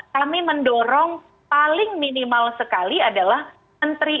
kami mendorong paling minimal sekali adalah menteri